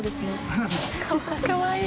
かわいい。